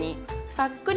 さっくり？